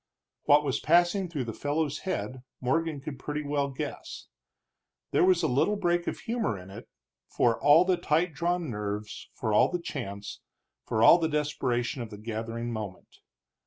What was passing through the fellow's head Morgan could pretty well guess. There was a little break of humor in it, for all the tight drawn nerves, for all the chance, for all the desperation of the gathering moment.